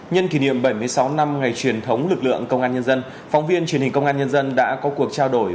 nhân kỷ niệm bảy mươi sáu năm ngày truyền thống lực lượng công an nhân dân phóng viên truyền hình công an nhân dân đã có cuộc trao đổi